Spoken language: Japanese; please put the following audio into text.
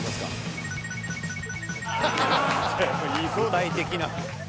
具体的な。